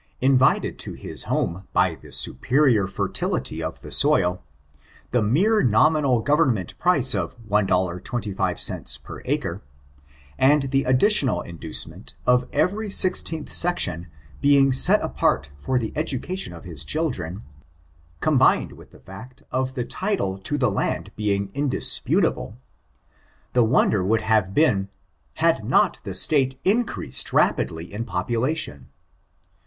Invited to his home by the superior fertiUty of the soil, the mere nominal government price of $1 25 per acre, and the additional inducement of every sixteenth section bemg set apart for the education of his children, combined with the fact of the titld to the land being indisputable ; the wonder would have been, had not the State increased rapidly in population.